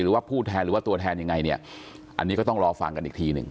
หรือว่าผู้แทนหรือว่าตัวแทนยังไงเนี่ยอันนี้ก็ต้องรอฟังกันอีกทีหนึ่ง